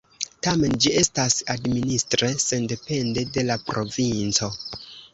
Tamen ĝi estas administre sendepende de la provinco.